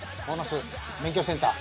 免許センター。